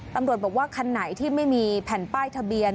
ตำรวจบอกว่าคันไหนที่ไม่มีแผ่นป้ายทะเบียน